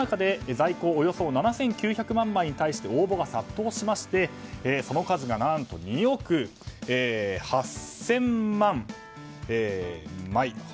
およそ７９００万枚に対して応募が殺到しましてその数が何と２億８０００万枚。